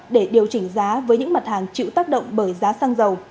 để điều chỉnh giá với những mặt hàng chịu tác động bởi giá xăng dầu